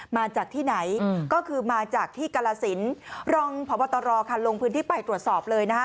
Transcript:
มาจากที่ไหนก็คือมาจากที่กรสินรองพบตรค่ะลงพื้นที่ไปตรวจสอบเลยนะคะ